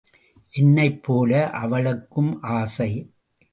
என்னைப் போல அவளுக்கும் ஆசை.